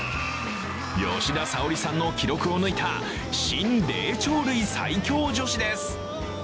吉田沙保里さんの記録を抜いた新霊長類最強女子です。